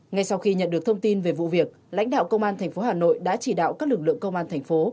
ngay sau khi nhận được thông tin về vụ việc lãnh đạo công an tp hà nội đã chỉ đạo các lực lượng công an thành phố